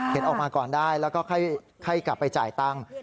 ออกมาก่อนได้แล้วก็ค่อยกลับไปจ่ายตังค์